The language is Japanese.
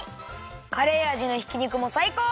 カレーあじのひき肉もさいこう！